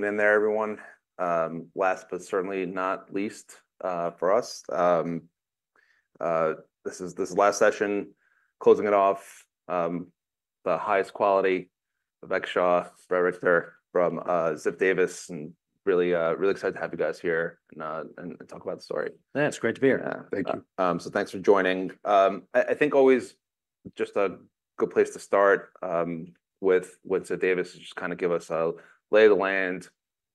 Hanging in there, everyone. Last, but certainly not least, for us, this is the last session. Closing it off, the highest quality, Vivek Shah, Bret Richter from Ziff Davis, and really, really excited to have you guys here and talk about the story. Yeah, it's great to be here. Yeah, thank you. Thanks for joining. I think always just a good place to start with Ziff Davis is just kind of give us a lay of the land,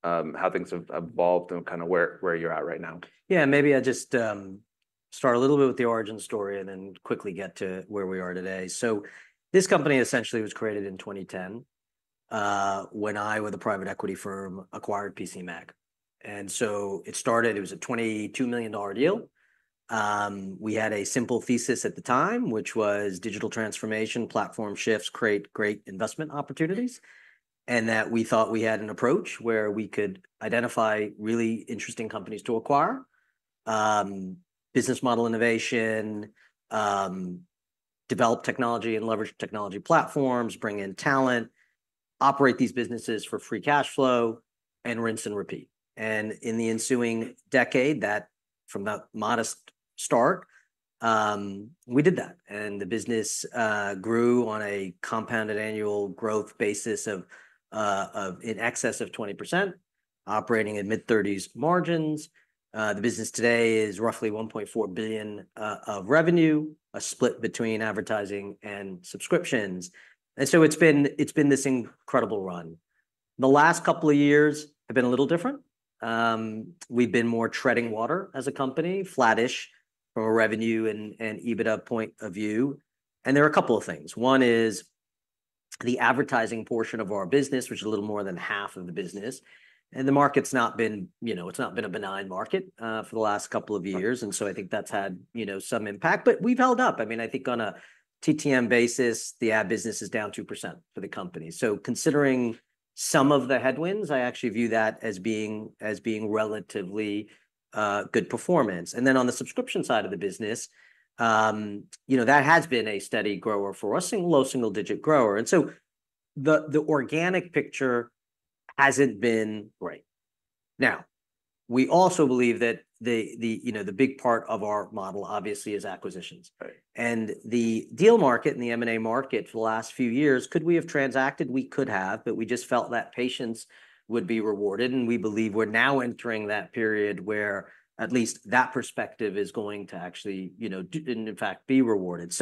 how things have evolved and kind of where you're at right now. Yeah, maybe I'll just start a little bit with the origin story and then quickly get to where we are today. This company essentially was created in 2010, when I, with a private equity firm, acquired PCMag. It started, it was a $22 million deal. We had a simple thesis at the time, which was digital transformation, platform shifts create great investment opportunities, and that we thought we had an approach where we could identify really interesting companies to acquire, business model innovation, develop technology and leverage technology platforms, bring in talent, operate these businesses for free cash flow, and rinse and repeat. In the ensuing decade, from that modest start, we did that, and the business grew on a compounded annual growth basis of in excess of 20%, operating in mid-thirties margins. The business today is roughly $1.4 billion of revenue, a split between advertising and subscriptions, and so it's been, it's been this incredible run. The last couple of years have been a little different. We've been more treading water as a company, flattish from a revenue and, and EBITDA point of view, and there are a couple of things. One is the advertising portion of our business, which is a little more than half of the business, and the market's not been, you know, it's not been a benign market for the last couple of years, and so I think that's had, you know, some impact, but we've held up. I mean, I think on a TTM basis, the ad business is down 2% for the company. Considering some of the headwinds, I actually view that as being, as being relatively good performance. On the subscription side of the business, you know, that has been a steady grower for us, a low single-digit grower, and so the organic picture hasn't been great. Now, we also believe that the, you know, the big part of our model, obviously, is acquisitions. Right. The deal market and the M&A market for the last few years, could we have transacted? We could have, but we just felt that patience would be rewarded, and we believe we're now entering that period where at least that perspective is going to actually, you know, and in fact, be rewarded.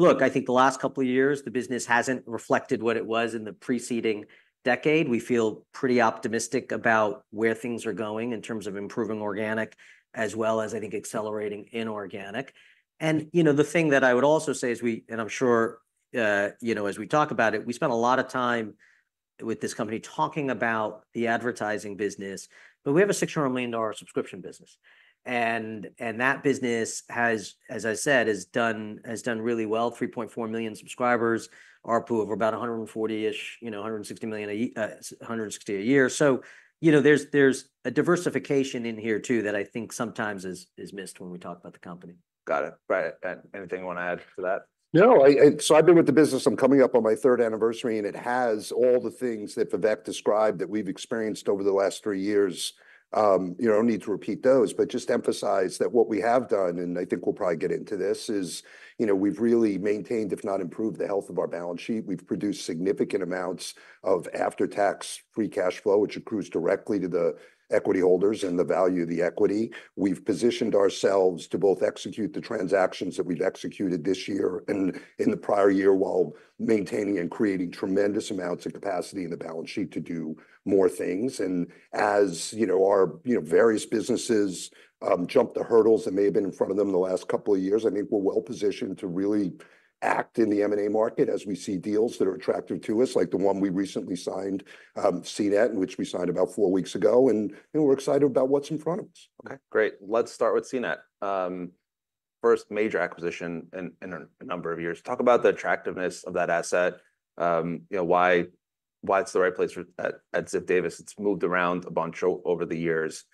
Look, I think the last couple of years, the business hasn't reflected what it was in the preceding decade. We feel pretty optimistic about where things are going in terms of improving organic as well as, I think, accelerating inorganic. You know, the thing that I would also say is we... I am sure, you know, as we talk about it, we spent a lot of time with this company talking about the advertising business, but we have a $600 million subscription business, and that business has, as I said, has done, has done really well, 3.4 million subscribers, ARPU of about 140-ish, you know, 160 a year. You know, there is a diversification in here, too, that I think sometimes is missed when we talk about the company. Got it. Bret, anything you want to add to that? No, I—so I've been with the business, I'm coming up on my third anniversary, and it has all the things that Vivek described that we've experienced over the last three years. You know, no need to repeat those, but just to emphasize that what we have done, and I think we'll probably get into this, is, you know, we've really maintained, if not improved, the health of our balance sheet. We've produced significant amounts of after-tax free cash flow, which accrues directly to the equity holders and the value of the equity. We've positioned ourselves to both execute the transactions that we've executed this year and in the prior year, while maintaining and creating tremendous amounts of capacity in the balance sheet to do more things. As you know, our, you know, various businesses jump the hurdles that may have been in front of them in the last couple of years, I think we're well-positioned to really act in the M&A market as we see deals that are attractive to us, like the one we recently signed, CNET, which we signed about four weeks ago, and we're excited about what's in front of us. Okay, great. Let's start with CNET. First major acquisition in a number of years. Talk about the attractiveness of that asset, you know, why, why it's the right place for at Ziff Davis. It's moved around a bunch over the years.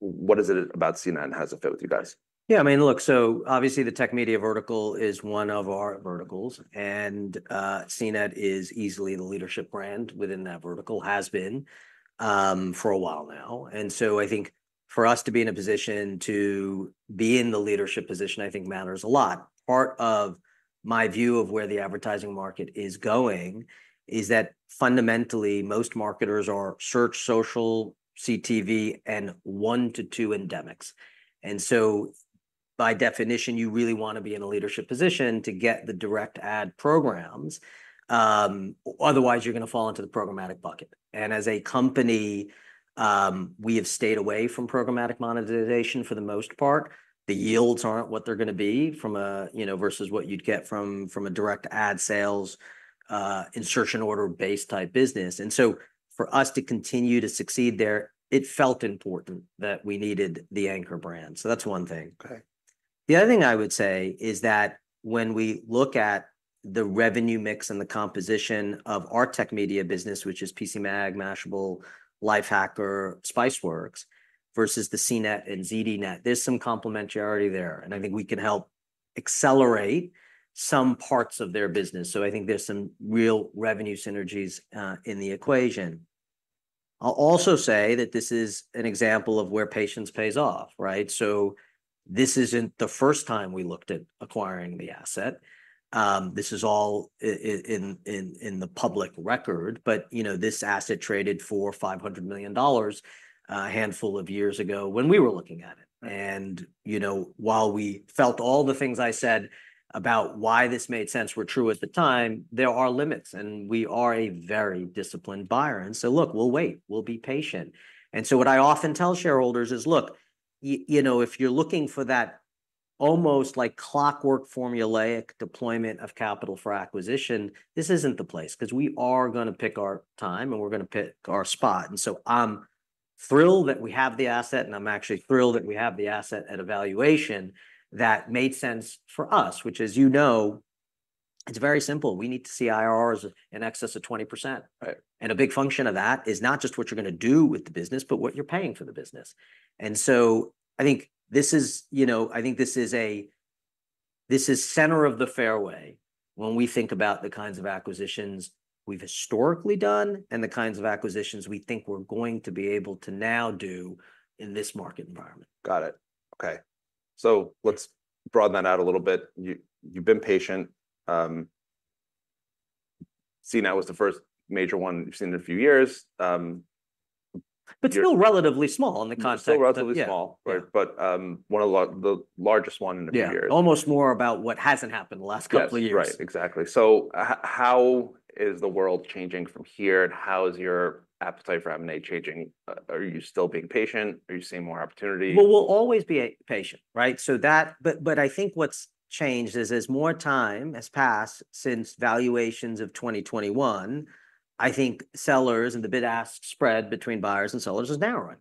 What is it about CNET, and how does it fit with you guys? Yeah, I mean, look, obviously the tech media vertical is one of our verticals, and CNET is easily the leadership brand within that vertical. Has been for a while now, and I think for us to be in a position to be in the leadership position, I think matters a lot. Part of my view of where the advertising market is going is that fundamentally, most marketers are search, social, CTV, and one to two endemics. By definition, you really want to be in a leadership position to get the direct ad programs, otherwise, you're gonna fall into the programmatic bucket. As a company, we have stayed away from programmatic monetization for the most part. The yields aren't what they're gonna be from a, you know, versus what you'd get from a direct ad sales, insertion order-based type business. For us to continue to succeed there, it felt important that we needed the anchor brand. So that's one thing. Okay. The other thing I would say is that when we look at the revenue mix and the composition of our tech media business, which is PCMag, Mashable, Lifehacker, Spiceworks, versus the CNET and ZDNet, there's some complementarity there, and I think we can help accelerate some parts of their business. I think there's some real revenue synergies in the equation. I'll also say that this is an example of where patience pays off, right? This isn't the first time we looked at acquiring the asset. This is all in the public record, but, you know, this asset traded for $500 million a handful of years ago when we were looking at it. Right. You know, while we felt all the things I said about why this made sense were true at the time, there are limits, and we are a very disciplined buyer. Look, we'll wait. We'll be patient. What I often tell shareholders is, "Look, you know, if you're looking for that almost like clockwork, formulaic deployment of capital for acquisition, this isn't the place, 'cause we are gonna pick our time, and we're gonna pick our spot." I'm thrilled that we have the asset, and I'm actually thrilled that we have the asset at a valuation that made sense for us, which, as you know, it's very simple. We need to see IRRs in excess of 20%. Right. A big function of that is not just what you're gonna do with the business, but what you're paying for the business. I think this is, you know, I think this is center of the fairway when we think about the kinds of acquisitions we've historically done and the kinds of acquisitions we think we're going to be able to now do in this market environment. Got it. Okay, let's broaden that out a little bit. You, you've been patient. CNET was the first major one we've seen in a few years. Still relatively small in the context. Still relatively small. Yeah. Right, but one of the largest one in a few years. Yeah, almost more about what hasn't happened in the last couple of years. That's right. Exactly. How is the world changing from here, and how is your appetite for M&A changing? Are you still being patient, or are you seeing more opportunity? We will always be patient, right? That... But I think what has changed is, as more time has passed since valuations of 2021, I think sellers and the bid-ask spread between buyers and sellers is narrowing.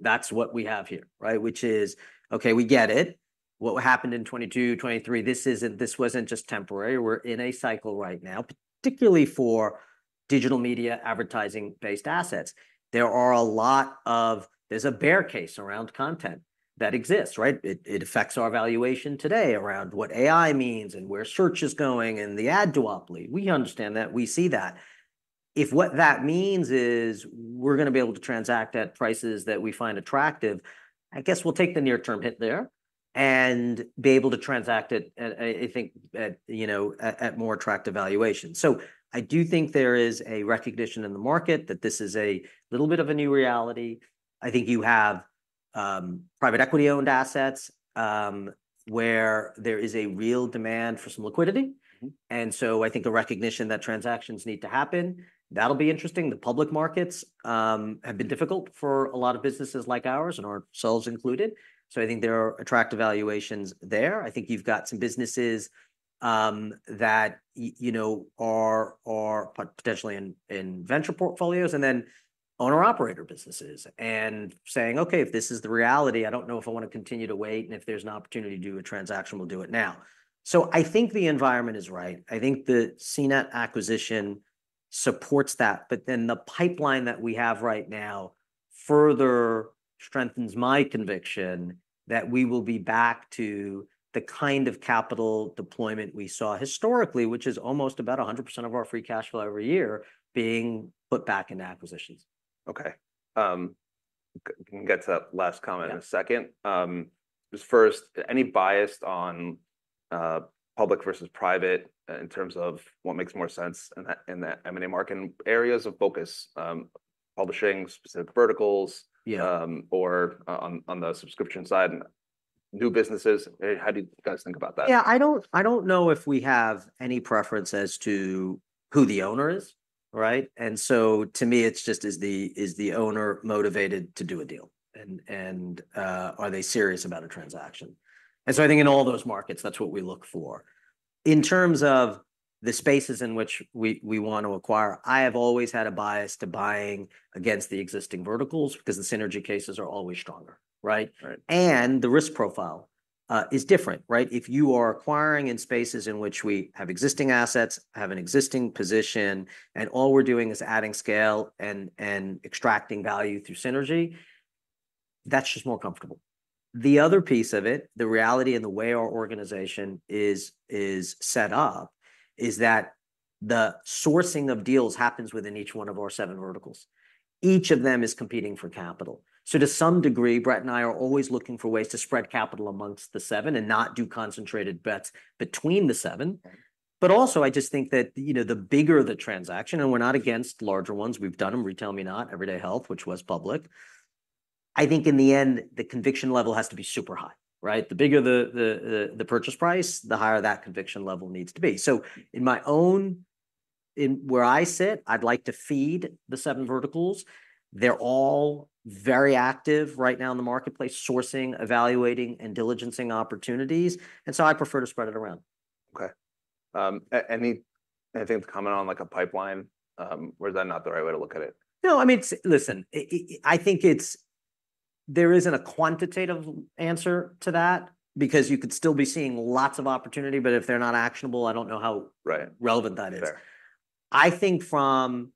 That is what we have here, right? Which is, okay, we get it, what happened in 2022, 2023, this is not—this was not just temporary. We are in a cycle right now, particularly for digital media, advertising-based assets. There are a lot of... There is a bear case around content that exists, right? It affects our valuation today around what AI means, and where search is going, and the ad duopoly. We understand that. We see that. If what that means is we're gonna be able to transact at prices that we find attractive, I guess we'll take the near-term hit there and be able to transact at, I think at, you know, at more attractive valuations. I do think there is a recognition in the market that this is a little bit of a new reality. I think you have private equity-owned assets where there is a real demand for some liquidity. Mm-hmm. I think the recognition that transactions need to happen, that'll be interesting. The public markets have been difficult for a lot of businesses like ours, and ourselves included, so I think there are attractive valuations there. I think you've got some businesses, you know, that are potentially in venture portfolios, and then owner/operator businesses, and saying, "Okay, if this is the reality, I don't know if I want to continue to wait, and if there's an opportunity to do a transaction, we'll do it now." I think the environment is right. I think the CNET acquisition supports that, but then the pipeline that we have right now further strengthens my conviction that we will be back to the kind of capital deployment we saw historically, which is almost about 100% of our free cash flow every year being put back into acquisitions. Okay, gonna get to that last comment. Yeah... in a second. Just first, any bias on public versus private in terms of what makes more sense in the M&A market and areas of focus, publishing, specific verticals- Yeah... or on the subscription side, new businesses? How do you guys think about that? Yeah, I don't, I don't know if we have any preference as to who the owner is, right? To me, it's just, is the owner motivated to do a deal, and are they serious about a transaction? I think in all those markets, that's what we look for. In terms of the spaces in which we want to acquire, I have always had a bias to buying against the existing verticals, because the synergy cases are always stronger, right? Right. The risk profile is different, right? If you are acquiring in spaces in which we have existing assets, have an existing position, and all we're doing is adding scale and extracting value through synergy, that's just more comfortable. The other piece of it, the reality and the way our organization is set up, is that the sourcing of deals happens within each one of our seven verticals. Each of them is competing for capital. To some degree, Bret and I are always looking for ways to spread capital amongst the seven and not do concentrated bets between the seven. Right. Also, I just think that, you know, the bigger the transaction, and we're not against larger ones, we've done them, RetailMeNot, Everyday Health, which was public, I think in the end, the conviction level has to be super high, right? The bigger the purchase price, the higher that conviction level needs to be. In my own, where I sit, I'd like to feed the seven verticals. They're all very active right now in the marketplace, sourcing, evaluating, and diligencing opportunities, and I prefer to spread it around. Okay. Any, anything to comment on, like, a pipeline, or is that not the right way to look at it? No, I mean, listen, I think it's—there isn't a quantitative answer to that, because you could still be seeing lots of opportunity, but if they're not actionable, I don't know how— Right... relevant that is. Fair. I think from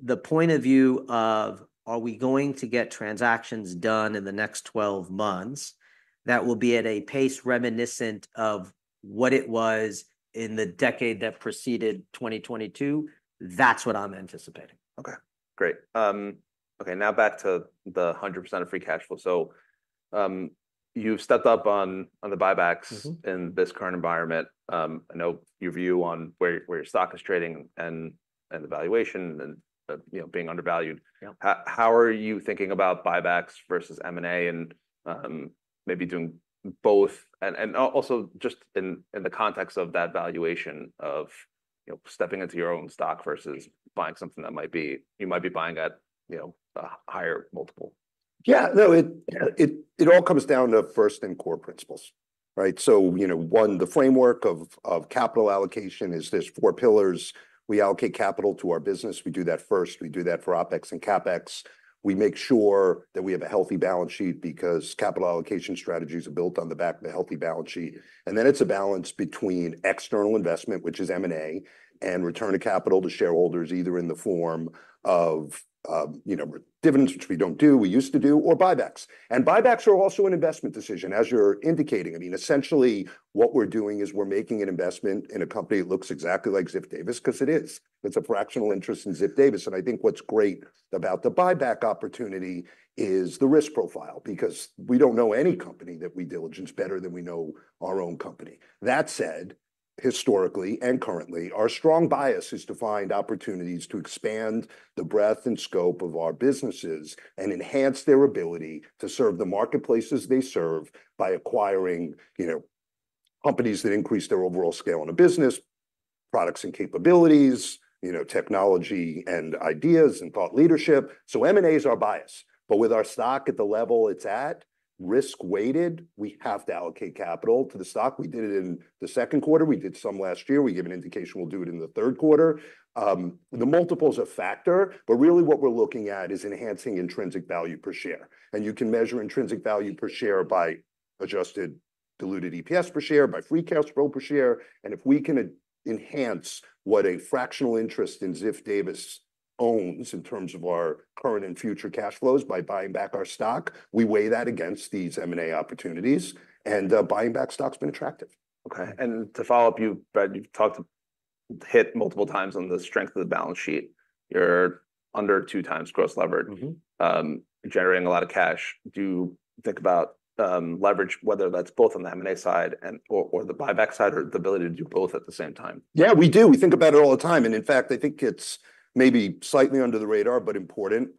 the point of view of, are we going to get transactions done in the next twelve months that will be at a pace reminiscent of what it was in the decade that preceded 2022? That's what I'm anticipating. Okay, great. Okay, now back to the 100% of free cash flow. You've stepped up on, on the buybacks. Mm-hmm. In this current environment. I know your view on where, where your stock is trading, and, and the valuation and, you know, being undervalued. Yeah. How are you thinking about buybacks versus M&A, and maybe doing both? Also, just in the context of that valuation of, you know, stepping into your own stock versus— Mm... buying something that might be—you might be buying at, you know, a higher multiple. Yeah, no, it all comes down to first and core principles, right? You know, one, the framework of capital allocation is there's four pillars. We allocate capital to our business. We do that first. We do that for OpEx and CapEx. We make sure that we have a healthy balance sheet, because capital allocation strategies are built on the back of a healthy balance sheet. Then it's a balance between external investment, which is M&A, and return of capital to shareholders, either in the form of, you know, dividends, which we don't do, we used to do, or buybacks. Buybacks are also an investment decision, as you're indicating. I mean, essentially, what we're doing is we're making an investment in a company that looks exactly like Ziff Davis, 'cause it is. It's a fractional interest in Ziff Davis, and I think what's great about the buyback opportunity is the risk profile, because we don't know any company that we diligence better than we know our own company. That said, historically and currently, our strong bias is to find opportunities to expand the breadth and scope of our businesses and enhance their ability to serve the marketplaces they serve by acquiring, you know, companies that increase their overall scale in a business, products and capabilities, you know, technology and ideas, and thought leadership. M&A is our bias, but with our stock at the level it's at, risk-weighted, we have to allocate capital to the stock. We did it in the second quarter, we did some last year. We gave an indication we'll do it in the third quarter. The multiple's a factor, but really what we're looking at is enhancing intrinsic value per share. You can measure intrinsic value per share by adjusted diluted EPS per share, by free cash flow per share, and if we can enhance what a fractional interest in Ziff Davis owns in terms of our current and future cash flows by buying back our stock, we weigh that against these M&A opportunities, and buying back stock's been attractive. Okay, and to follow up, you, Bret, you've talked, hit multiple times on the strength of the balance sheet. You're under two times gross levered. Mm-hmm... generating a lot of cash. Do you think about leverage, whether that's both on the M&A side and/or the buyback side, or the ability to do both at the same time? Yeah, we do. We think about it all the time, and in fact, I think it's maybe slightly under the radar, but important.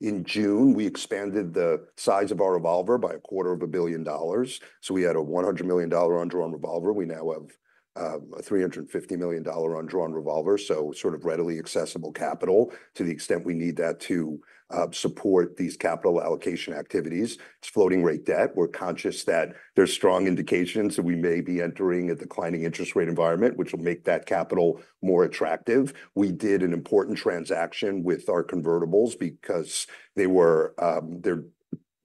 In June, we expanded the size of our revolver by a quarter of a billion dollars, so we had a $100 million undrawn revolver, we now have a $350 million undrawn revolver, so sort of readily accessible capital to the extent we need that to support these capital allocation activities. It's floating rate debt. We're conscious that there's strong indications that we may be entering a declining interest rate environment, which will make that capital more attractive. We did an important transaction with our convertibles because they were, they're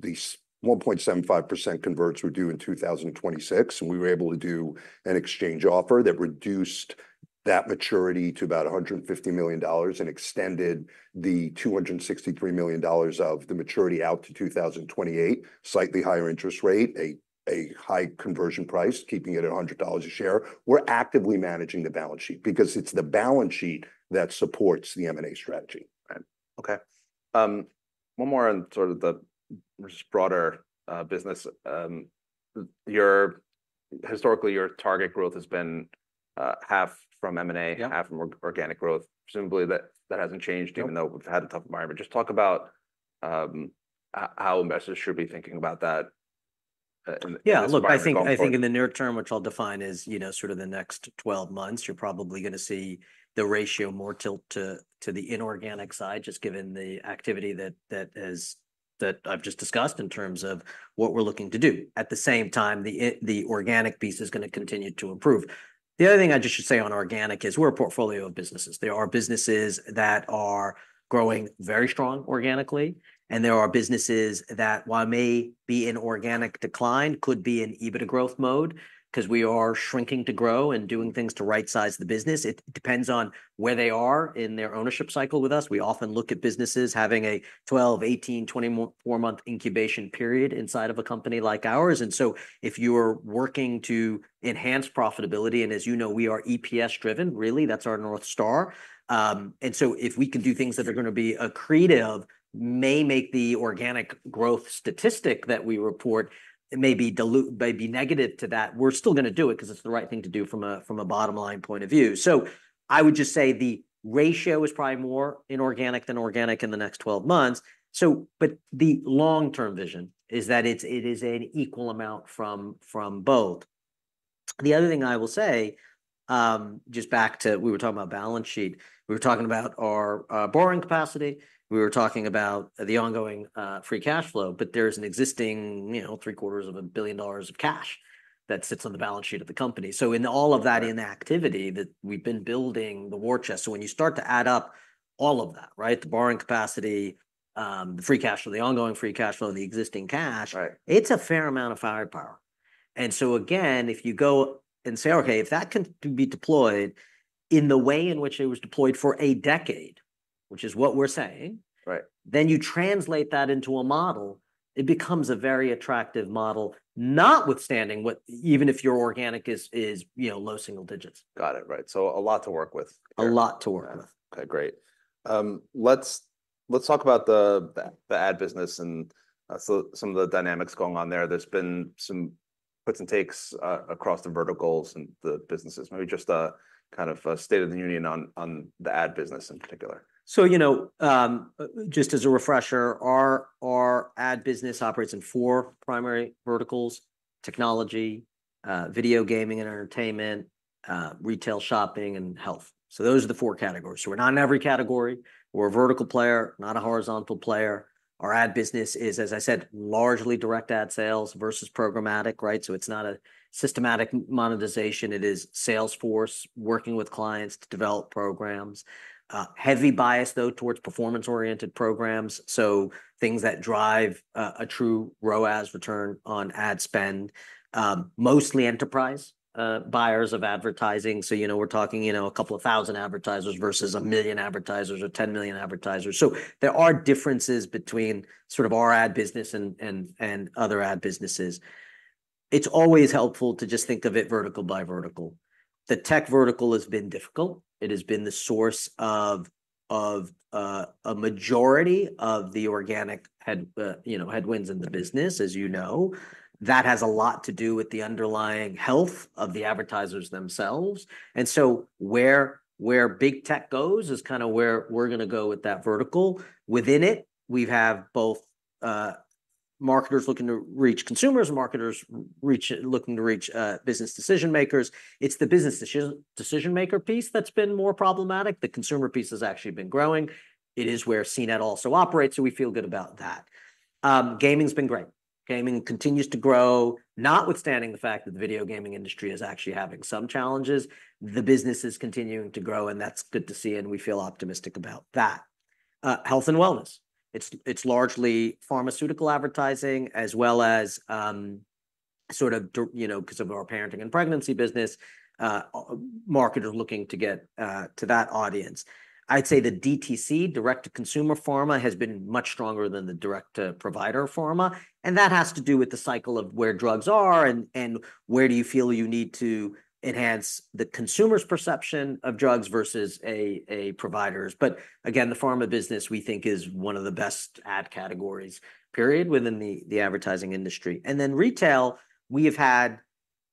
these 1.75% converts were due in 2026, and we were able to do an exchange offer that reduced that maturity to about $150 million and extended the $263 million of the maturity out to 2028. Slightly higher interest rate, a high conversion price, keeping it at $100 a share. We're actively managing the balance sheet, because it's the balance sheet that supports the M&A strategy. Right. Okay, one more on sort of the just broader, just business. Your—historically, your target growth has been half from M&A— Yeah ...half from organic growth. Presumably, that hasn't changed— No... even though we've had a tough environment. Just talk about how investors should be thinking about that in the environment going forward. Yeah, look, I think in the near term, which I'll define as, you know, sort of the next twelve months, you're probably gonna see the ratio more tilt to the inorganic side, just given the activity that I just discussed in terms of what we're looking to do. At the same time, the organic piece is gonna continue to improve. The other thing I just should say on organic is we're a portfolio of businesses. There are businesses that are growing very strong organically, and there are businesses that, while may be in organic decline, could be in EBITDA growth mode, 'cause we are shrinking to grow and doing things to rightsize the business. It depends on where they are in their ownership cycle with us. We often look at businesses having a 12, 18, 24 month incubation period inside of a company like ours. And if you're working to enhance profitability, and as you know, we are EPS driven, really, that's our North Star. If we can do things that are gonna be accretive, may make the organic growth statistic that we report, it may be dilu- may be negative to that, we're still gonna do it, 'cause it's the right thing to do from a, from a bottom-line point of view. I would just say the ratio is probably more inorganic than organic in the next twelve months, but the long-term vision is that it's, it is an equal amount from, from both. The other thing I will say, just back to... We were talking about balance sheet. We were talking about our borrowing capacity, we were talking about the ongoing free cash flow, but there's an existing, you know, three-quarters of a billion dollars of cash that sits on the balance sheet of the company. In all of that— Right ...inactivity, that we've been building the war chest. When you start to add up all of that, right, the borrowing capacity, the free cash flow, the ongoing free cash flow, the existing cash- Right... it's a fair amount of firepower. If you go and say, "Okay, if that can be deployed in the way in which it was deployed for a decade," which is what we're saying— Right. Then you translate that into a model, it becomes a very attractive model, notwithstanding what, even if your organic is, you know, low single digits. Got it, right. A lot to work with. A lot to work with. Okay, great. Let's talk about the ad business, and some of the dynamics going on there. There's been some puts and takes across the verticals and the businesses. Maybe just a kind of a state of the union on the ad business in particular. You know, just as a refresher, our ad business operates in four primary verticals: technology, video gaming and entertainment, retail shopping, and health. Those are the four categories. We're not in every category. We're a vertical player, not a horizontal player. Our ad business is, as I said, largely direct ad sales versus programmatic, right? It's not a systematic monetization. It is sales force working with clients to develop programs. Heavy bias, though, towards performance-oriented programs, so things that drive a true ROAS, return on ad spend. Mostly enterprise buyers of advertising, so, you know, we're talking, you know, a couple of thousand advertisers versus a million advertisers or 10 million advertisers. There are differences between sort of our ad business and other ad businesses. It's always helpful to just think of it vertical by vertical. The tech vertical has been difficult. It has been the source of, you know, a majority of the organic headwinds in the business, as you know. That has a lot to do with the underlying health of the advertisers themselves, and so where Big Tech goes is kind of where we're gonna go with that vertical. Within it, we have both marketers looking to reach consumers and marketers looking to reach business decision-makers. It's the business decision-maker piece that's been more problematic. The consumer piece has actually been growing. It is where CNET also operates, so we feel good about that. Gaming's been great. Gaming continues to grow, notwithstanding the fact that the video gaming industry is actually having some challenges, the business is continuing to grow, and that's good to see, and we feel optimistic about that. Health and wellness, it's largely pharmaceutical advertising as well as, you know, 'cause of our parenting and pregnancy business, a marketer looking to get to that audience. I'd say the DTC, direct-to-consumer pharma, has been much stronger than the direct-to-provider pharma, and that has to do with the cycle of where drugs are and where do you feel you need to enhance the consumer's perception of drugs versus a provider's. Again, the pharma business, we think, is one of the best ad categories, period, within the advertising industry. Then retail, we have had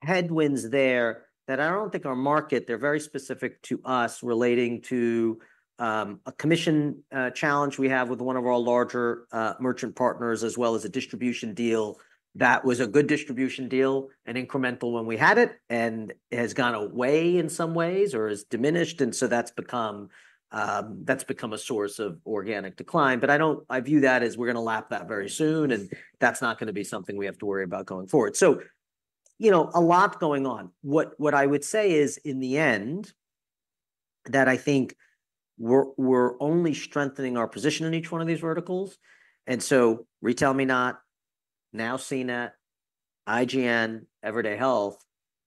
headwinds there that I don't think are market. They're very specific to us, relating to a commission challenge we have with one of our larger merchant partners, as well as a distribution deal that was a good distribution deal and incremental when we had it, and has gone away in some ways or has diminished, and that's become a source of organic decline. I don't- I view that as we're gonna lap that very soon, and that's not gonna be something we have to worry about going forward. You know, a lot going on. What I would say is, in the end, that I think we're only strengthening our position in each one of these verticals, and RetailMeNot, now CNET, IGN, Everyday Health,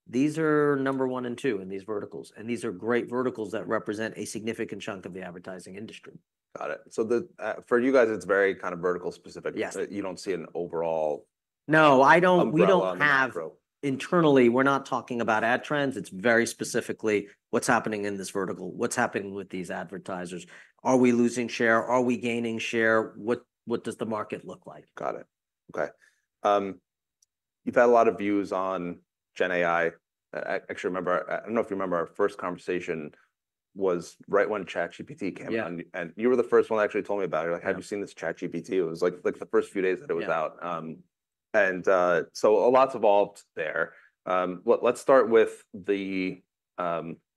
these are number one and two in these verticals, and these are great verticals that represent a significant chunk of the advertising industry. Got it. For you guys, it's very kind of vertical specific. Yes. You don't see an overall— No, I don't— umbrella on the macro. We don't have—internally, we're not talking about ad trends. It's very specifically: What's happening in this vertical? What's happening with these advertisers? Are we losing share? Are we gaining share? What does the market look like? Got it. Okay. You've had a lot of views on Gen AI. I actually remember—I don't know if you remember our first conversation was right when ChatGPT came out— Yeah... and you were the first one that actually told me about it. Yeah. Like, "Have you seen this ChatGPT?" It was, like, the first few days that it was out. Yeah. A lot's evolved there. Let's start with the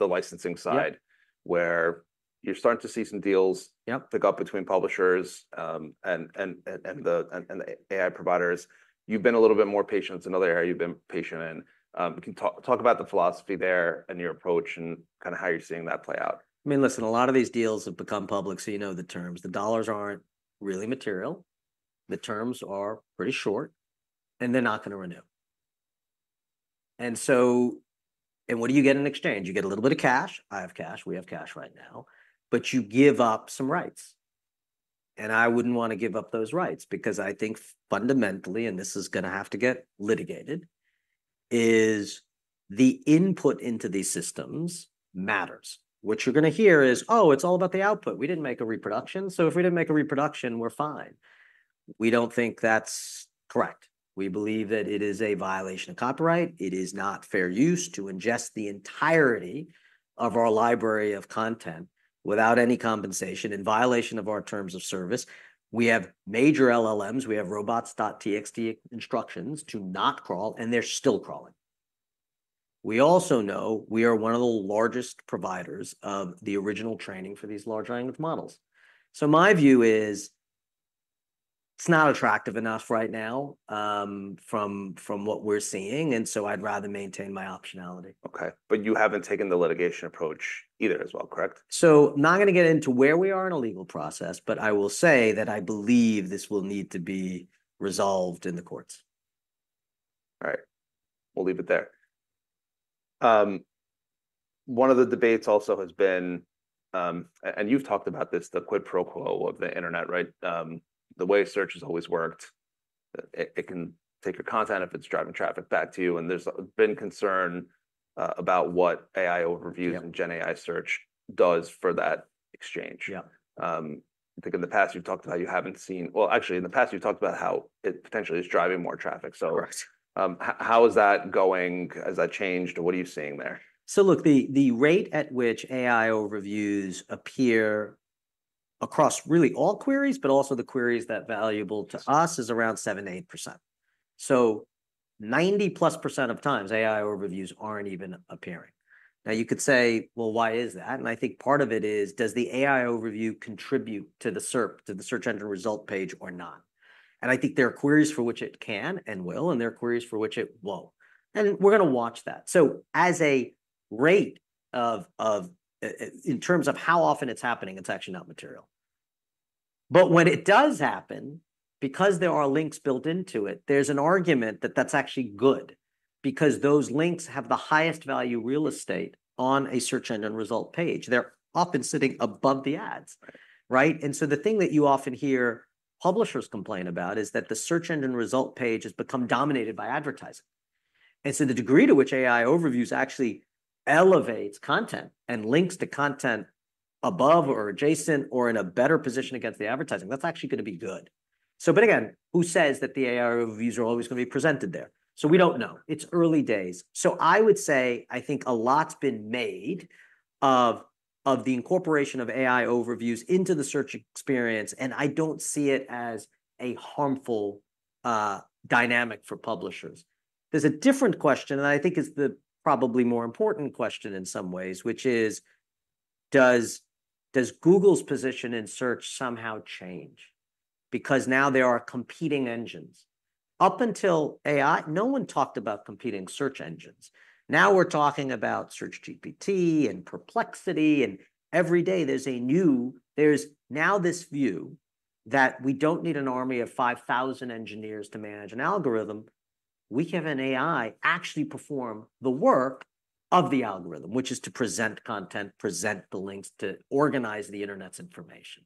licensing side. Yeah... where you're starting to see some deals. Yeah... pick up between publishers and the AI providers. You've been a little bit more patient. It's another area you've been patient in. Can you talk about the philosophy there and your approach and kind of how you're seeing that play out? I mean, listen, a lot of these deals have become public, so you know the terms. The dollars aren't really material, the terms are pretty short, and they're not gonna renew. What do you get in exchange? You get a little bit of cash. I have cash. We have cash right now. You give up some rights, and I wouldn't wanna give up those rights because I think fundamentally, and this is gonna have to get litigated, is the input into these systems matters. What you're gonna hear is, "Oh, it's all about the output. We didn't make a reproduction, so if we didn't make a reproduction, we're fine." We don't think that's correct. We believe that it is a violation of copyright. It is not fair use to ingest the entirety of our library of content without any compensation, in violation of our terms of service. We have major LLMs. We have robots.txt instructions to not crawl, and they're still crawling. We also know we are one of the largest providers of the original training for these large language models. My view is, it's not attractive enough right now, from what we're seeing, and I'd rather maintain my optionality. Okay, but you haven't taken the litigation approach either as well, correct? I'm not gonna get into where we are in the legal process, but I will say that I believe this will need to be resolved in the courts. All right, we'll leave it there. One of the debates also has been, and you've talked about this, the quid pro quo of the internet, right? The way search has always worked, it can take your content if it's driving traffic back to you, and there's been concern about what AI Overviews— Yeah... and Gen AI search does for that exchange. Yeah. I think in the past you've talked about how you haven't seen—well, actually, in the past you've talked about how it potentially is driving more traffic, so— Correct. How is that going? Has that changed? What are you seeing there? Look, the rate at which AI Overviews appear across really all queries, but also the queries that are valuable to us, is around 7-8%. So 90+%of times, AI Overviews are not even appearing. You could say, "Why is that?" I think part of it is, does the AI Overview contribute to the SERP, to the search engine result page, or not? I think there are queries for which it can and will, and there are queries for which it will not, and we are gonna watch that. As a rate in terms of how often it is happening, it is actually not material. When it does happen, because there are links built into it, there is an argument that that is actually good, because those links have the highest value real estate on a search engine result page. They're often sitting above the ads. Right. Right? The thing that you often hear publishers complain about is that the search engine result page has become dominated by advertising. The degree to which AI Overviews actually elevates content and links to content above or adjacent or in a better position against the advertising, that's actually gonna be good. Again, who says that the AI Overviews are always gonna be presented there? We don't know. It's early days. I would say I think a lot's been made of the incorporation of AI Overviews into the search experience, and I don't see it as a harmful dynamic for publishers. There's a different question, and I think it's the probably more important question in some ways, which is: Does Google's position in search somehow change because now there are competing engines? Up until AI, no one talked about competing search engines. Now we're talking about SearchGPT and Perplexity, and every day there's a new... There's now this view that we don't need an army of 5,000 engineers to manage an algorithm. We can have an AI actually perform the work of the algorithm, which is to present content, present the links, to organize the internet's information.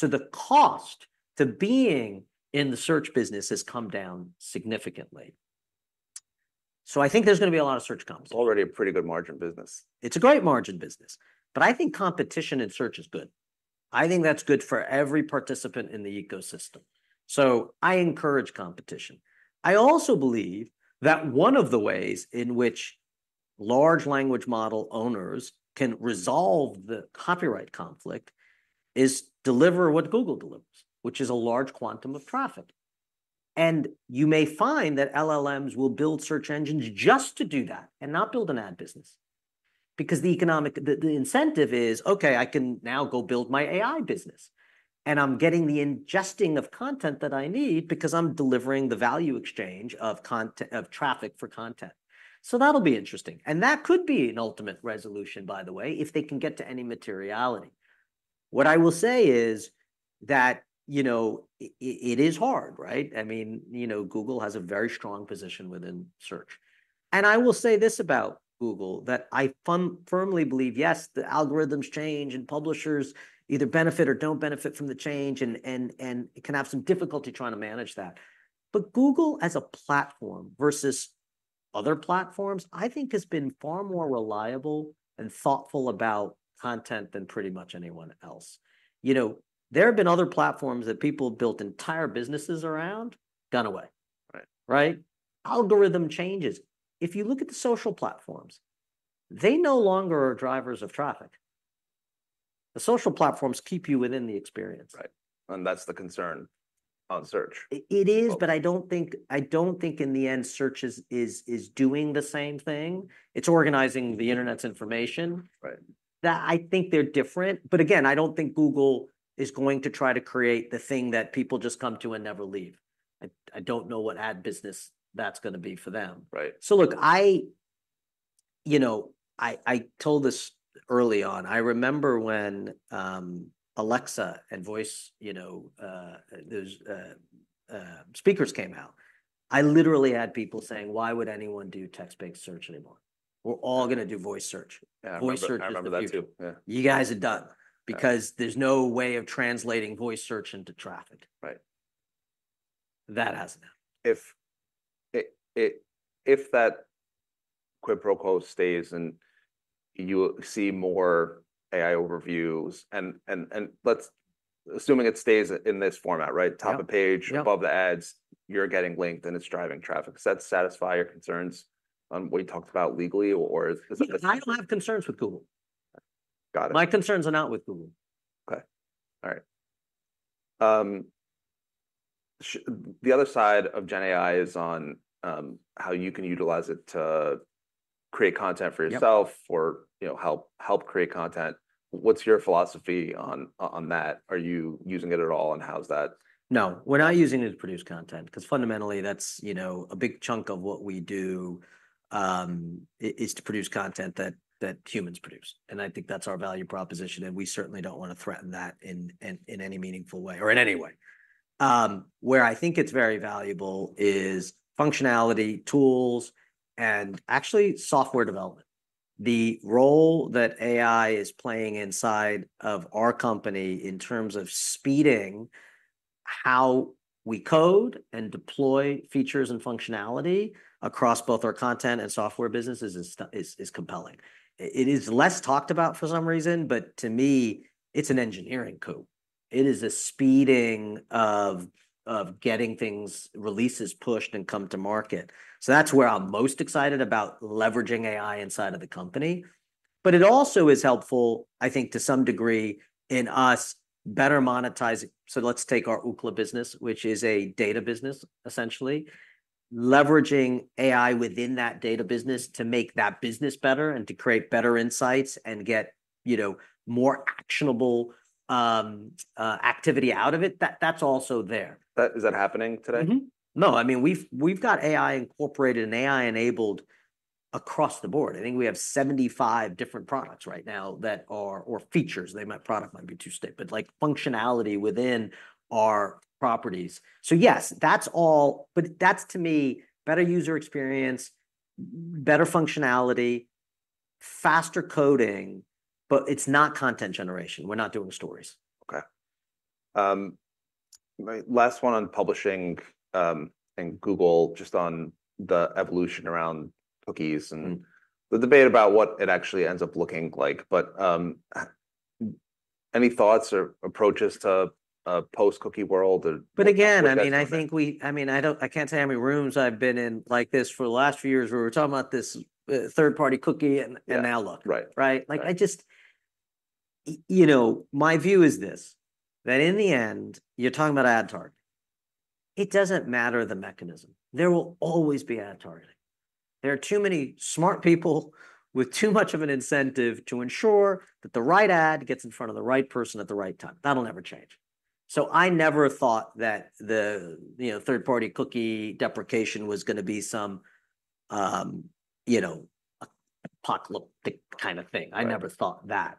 The cost to being in the search business has come down significantly. I think there's gonna be a lot of search comps. Already a pretty good margin business. It's a great margin business, but I think competition in search is good. I think that's good for every participant in the ecosystem, so I encourage competition. I also believe that one of the ways in which large language model owners can resolve the copyright conflict is deliver what Google delivers, which is a large quantum of traffic. You may find that LLMs will build search engines just to do that and not build an ad business, because the economic—the incentive is, "Okay, I can now go build my AI business, and I'm getting the ingesting of content that I need because I'm delivering the value exchange of traffic for content." That will be interesting, and that could be an ultimate resolution, by the way, if they can get to any materiality. What I will say is that, you know, it is hard, right? I mean, you know, Google has a very strong position within search. I will say this about Google, that I firmly believe, yes, the algorithms change, and publishers either benefit or do not benefit from the change, and can have some difficulty trying to manage that. Google as a platform versus other platforms, I think has been far more reliable and thoughtful about content than pretty much anyone else. You know, there have been other platforms that people built entire businesses around, gone away. Right. Right? Algorithm changes. If you look at the social platforms, they no longer are drivers of traffic. The social platforms keep you within the experience. Right, and that's the concern on Search. It is, but I don't think—I don't think in the end Search is doing the same thing. It's organizing the internet's information. Right. That, I think they're different, but again, I don't think Google is going to try to create the thing that people just come to and never leave. I don't know what ad business that's gonna be for them. Right. Look, I... You know, I told this early on. I remember when Alexa and voice, you know, those speakers came out. I literally had people saying, "Why would anyone do text-based search anymore? We're all gonna do voice search. Yeah, I remember. Voice search is the future. I remember that, too. Yeah. You guys are done. Yeah... because there's no way of translating voice search into traffic. Right. That hasn't happened. If that quid pro quo stays and you see more AI Overviews, and, assuming it stays in this format, right? Yeah. Top of page. Yeah... above the ads, you're getting linked, and it's driving traffic. Does that satisfy your concerns on what you talked about legally, or is this— I don't have concerns with Google. Got it. My concerns are not with Google. Okay. All right. The other side of Gen AI is on how you can utilize it to create content for yourself- Yep... or, you know, help create content. What's your philosophy on that? Are you using it at all, and how's that? No, we're not using it to produce content, 'cause fundamentally, that's, you know... A big chunk of what we do is to produce content that, that humans produce, and I think that's our value proposition, and we certainly don't want to threaten that in any meaningful way or in any way. Where I think it's very valuable is functionality, tools, and actually software development. The role that AI is playing inside of our company in terms of speeding how we code and deploy features and functionality across both our content and software businesses is compelling. It is less talked about for some reason, but to me, it's an engineering coup. It is a speeding of getting things, releases pushed and come to market. That's where I'm most excited about leveraging AI inside of the company. It also is helpful, I think, to some degree, in us better monetizing—so let's take our Ookla business, which is a data business, essentially. Leveraging AI within that data business to make that business better and to create better insights and get, you know, more actionable activity out of it, that's also there. That, is that happening today? Mm-hmm. No, I mean, we've got AI incorporated and AI enabled across the board. I think we have 75 different products right now that are... or features, product might be too steep, but, like, functionality within our properties. Yes, that's all, but that's to me, better user experience, better functionality, faster coding, but it's not content generation. We're not doing stories. Okay. Last one on publishing, and Google, just on the evolution around cookies— Mm-hmm... and the debate about what it actually ends up looking like. Any thoughts or approaches to a post-cookie world or- But again- What that's gonna be? I mean, I think we, I mean, I don't, I can't tell you how many rooms I've been in like this for the last few years, where we're talking about this, third-party cookie, and, and now look. Yeah. Right. Right? Right. Like, I just... you know, my view is this: that in the end, you're talking about ad targeting. It doesn't matter the mechanism. There will always be ad targeting. There are too many smart people with too much of an incentive to ensure that the right ad gets in front of the right person at the right time. That'll never change. I never thought that the, you know, third-party cookie deprecation was gonna be some, you know, apocalyptic kind of thing. Right. I never thought that.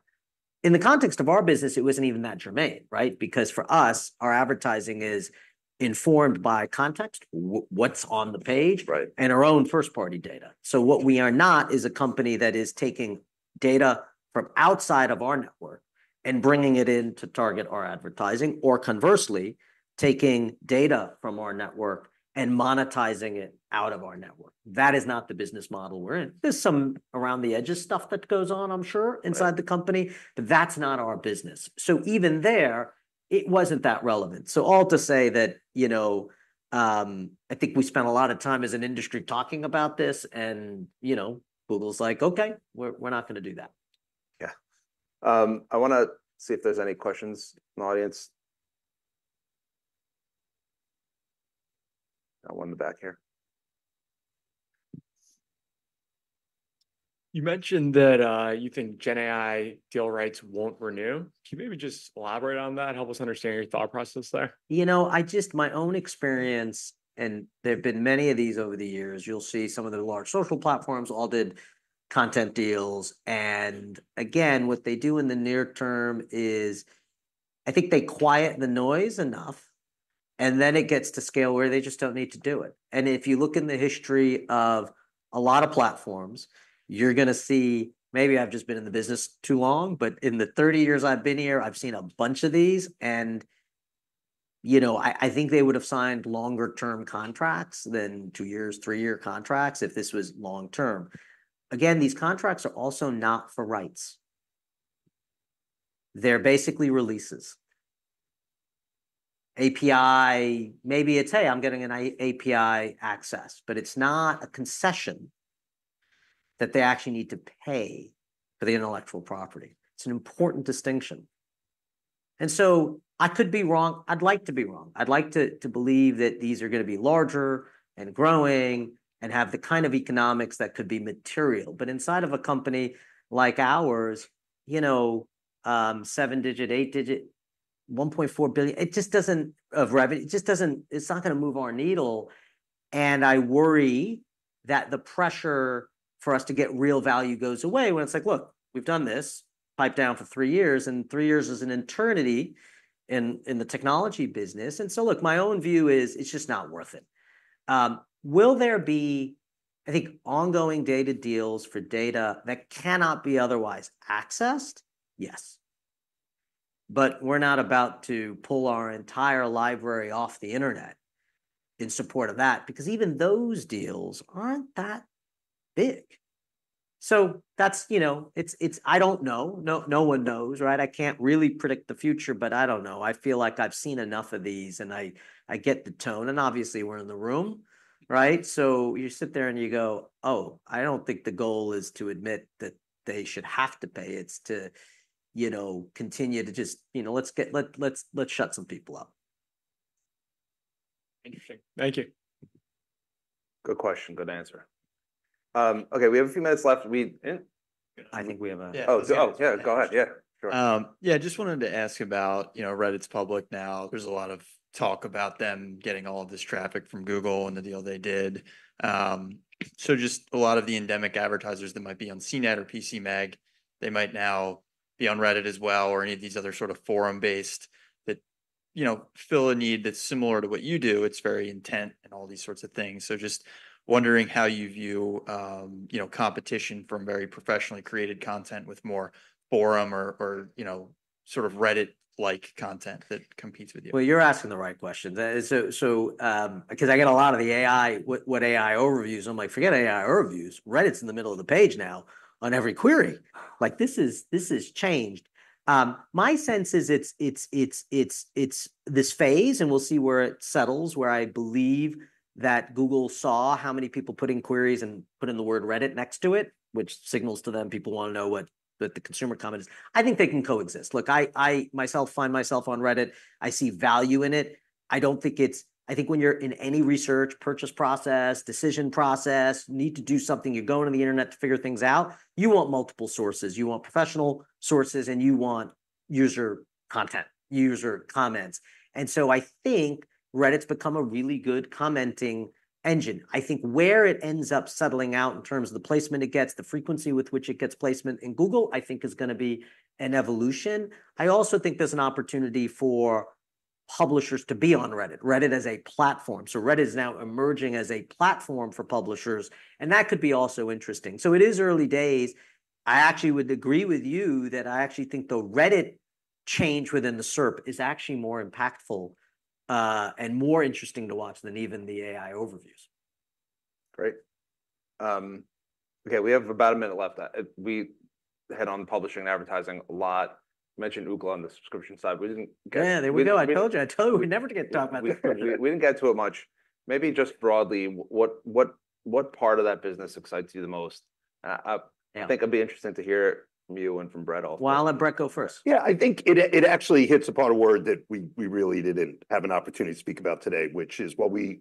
In the context of our business, it wasn't even that germane, right? Because for us, our advertising is informed by context, what's on the page. Right... and our own first-party data. What we are not is a company that is taking data from outside of our network and bringing it in to target our advertising, or conversely, taking data from our network and monetizing it out of our network. That is not the business model we're in. There's some around-the-edges stuff that goes on, I'm sure. Right... inside the company, but that's not our business. Even there, it wasn't that relevant. All to say that, you know, I think we spent a lot of time as an industry talking about this, and, you know, Google's like: "Okay, we're, we're not gonna do that. Yeah. I wanna see if there's any questions from the audience. Got one in the back here. You mentioned that you think Gen AI deal rights won't renew. Can you maybe just elaborate on that, help us understand your thought process there? You know, I just, my own experience, and there have been many of these over the years, you'll see some of the large social platforms all did content deals. What they do in the near term is, I think they quiet the noise enough, and then it gets to scale where they just do not need to do it. If you look in the history of a lot of platforms, you're gonna see, maybe I've just been in the business too long, but in the 30 years I've been here, I've seen a bunch of these, and, you know, I think they would have signed longer term contracts than two years, three-year contracts if this was long term. These contracts are also not for rights. They're basically releases. API, maybe it's, "Hey, I'm getting an API access," but it's not a concession that they actually need to pay for the intellectual property. It's an important distinction. I could be wrong. I'd like to be wrong. I'd like to believe that these are gonna be larger and growing and have the kind of economics that could be material. Inside of a company like ours, you know, seven-digit, eight-digit, $1.4 billion of revenue, it just doesn't... It's not gonna move our needle, and I worry that the pressure for us to get real value goes away when it's like: "Look, we've done this. Pipe down for three years," and three years is an eternity in the technology business. My own view is, it's just not worth it. Will there be, I think, ongoing data deals for data that cannot be otherwise accessed? Yes. We're not about to pull our entire library off the internet in support of that, because even those deals aren't that big. That's, you know, it's, it's—I don't know. No one knows, right? I can't really predict the future, but I don't know. I feel like I've seen enough of these, and I get the tone, and obviously, we're in the room, right? You sit there and you go: Oh, I don't think the goal is to admit that they should have to pay. It's to, you know, continue to just, you know, let's get—let's, let's shut some people up. Interesting. Thank you. Good question, good answer. Okay, we have a few minutes left. We— I think we have a— Yeah. Oh, yeah, go ahead. Yeah, sure. Yeah, I just wanted to ask about, you know, Reddit's public now. There's a lot of talk about them getting all of this traffic from Google and the deal they did. Just a lot of the endemic advertisers that might be on CNET or PCMag, they might now be on Reddit as well, or any of these other sort of forum-based that, you know, fill a need that's similar to what you do. It's very intent and all these sorts of things. Just wondering how you view, you know, competition from very professionally created content with more forum or, you know, sort of Reddit-like content that competes with you? You're asking the right question. That- so, 'cause I get a lot of the AI, what, what AI Overviews. I'm like, "Forget AI Overviews, Reddit's in the middle of the page now on every query!" Like, this is, this is changed. My sense is it's, it's, it's, it's this phase, and we'll see where it settles, where I believe that Google saw how many people put in queries and put in the word Reddit next to it, which signals to them people wanna know what, that the consumer comment is. I think they can coexist. Look, I, I myself find myself on Reddit. I see value in it. I don't think it's... I think when you're in any research, purchase process, decision process, you need to do something, you're going on the internet to figure things out, you want multiple sources. You want professional sources, and you want user content, user comments. I think Reddit's become a really good commenting engine. I think where it ends up settling out in terms of the placement it gets, the frequency with which it gets placement in Google, I think is gonna be an evolution. I also think there's an opportunity for publishers to be on Reddit, Reddit as a platform. Reddit is now emerging as a platform for publishers, and that could be also interesting. It is early days. I actually would agree with you that I actually think the Reddit change within the SERP is actually more impactful, and more interesting to watch than even the AI Overviews. Great. Okay, we have about a minute left. We hit on publishing and advertising a lot. Mentioned Google on the subscription side. We didn't get- Yeah, there we go. I told you, I told you we'd never get to talk about the- We didn't get to it much. Maybe just broadly, what part of that business excites you the most? I- Yeah... I think it'd be interesting to hear from you and from Bret also. I'll let Bret go first. Yeah, I think it actually hits upon a word that we really didn't have an opportunity to speak about today, which is while we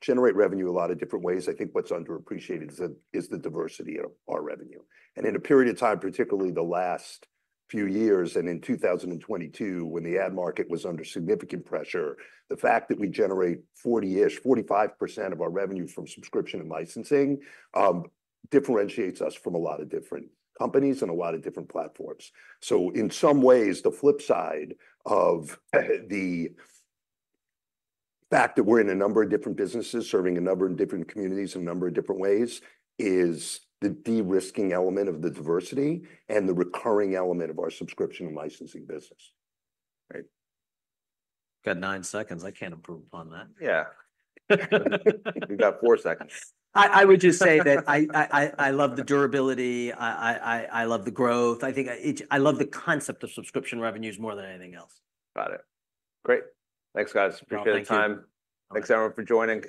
generate revenue a lot of different ways, I think what's underappreciated is the diversity of our revenue. In a period of time, particularly the last few years and in 2022, when the ad market was under significant pressure, the fact that we generate 40%-45% of our revenue from subscription and licensing differentiates us from a lot of different companies and a lot of different platforms. In some ways, the flip side of the fact that we're in a number of different businesses, serving a number of different communities in a number of different ways, is the de-risking element of the diversity and the recurring element of our subscription and licensing business. Great. Got nine seconds. I can't improve upon that. Yeah. You've got four seconds. I would just say that I love the durability. I love the growth. I think each—I love the concept of subscription revenues more than anything else. Got it. Great. Thanks, guys. Thank you. Appreciate the time. Thanks, everyone, for joining.